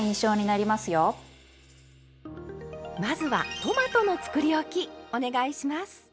まずはトマトのつくりおきお願いします！